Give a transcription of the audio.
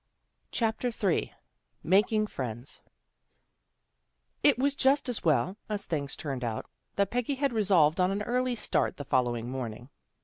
CHAPTER III MAKING FRIENDS IT was just as well, as things turned out, that Peggy had resolved on an early start the fol lowing morning.